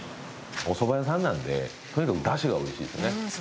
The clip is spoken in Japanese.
おそば屋さんなんでとにかくダシが美味しいですね。